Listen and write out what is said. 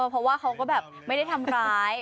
เพราะว่าเขาก็แบบไม่ได้ทำร้าย